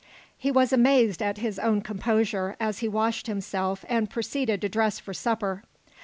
He was amazed at his own composure as he washed himself and proceeded to dress for supper.